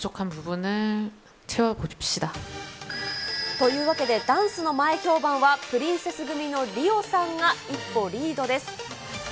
というわけで、ダンスの前評判はプリンセス組のリオさんが一歩リードです。